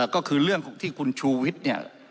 ก็คือเรื่องของที่คุณชูวิทย์เนี่ย